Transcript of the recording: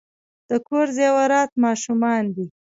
د کور زیورات ماشومان دي .